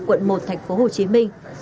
quận một tp hcm